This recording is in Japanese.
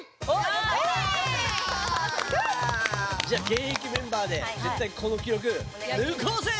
じゃあげんえきメンバーでぜったいこの記録ぬこうぜ！